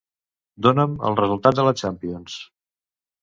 Dona'm els resultats de la Champions.